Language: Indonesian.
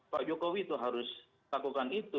pak jokowi itu harus lakukan itu